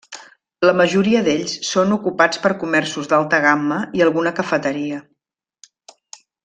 La majoria d'ells són ocupats per comerços d'alta gamma, i alguna cafeteria.